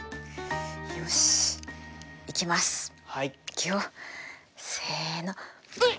いくよせのうん！